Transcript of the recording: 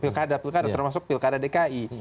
pilkada pilkada termasuk pilkada dki